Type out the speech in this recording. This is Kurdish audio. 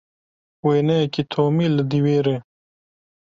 Wêneyekî Tomî li dîwêr e.